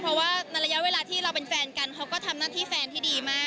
เพราะว่าในระยะเวลาที่เราเป็นแฟนกันเขาก็ทำหน้าที่แฟนที่ดีมาก